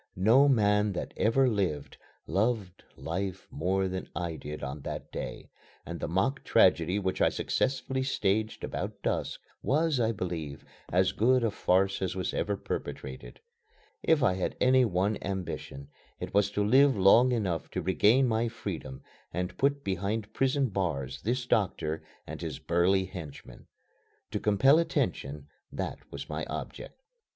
No man that ever lived, loved life more than I did on that day, and the mock tragedy which I successfully staged about dusk was, I believe, as good a farce as was ever perpetrated. If I had any one ambition it was to live long enough to regain my freedom and put behind prison bars this doctor and his burly henchmen. To compel attention that was my object.